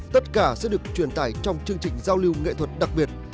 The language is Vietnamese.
tất cả sẽ được truyền tải trong chương trình giao lưu nghệ thuật đặc biệt